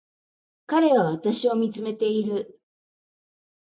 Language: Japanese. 彼は私を見つめている